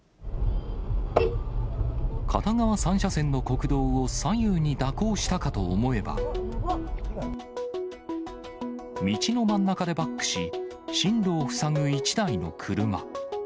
片側３車線の国道を左右に蛇行したかと思えば、道の真ん中でバックし、進路を塞ぐ一台の車。